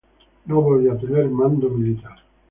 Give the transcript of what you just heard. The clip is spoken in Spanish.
No volvió a tener mando militar.